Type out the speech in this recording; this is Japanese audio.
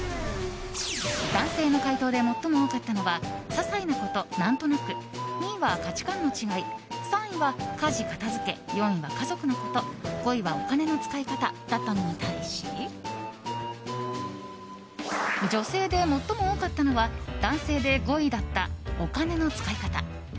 男性の回答で、最も多かったのは些細なこと・何となく２位は価値観の違い３位は家事・片付け４位は家族のこと５位は、お金の使い方だったのに対し女性で最も多かったのは男性で５位だったお金の使い方。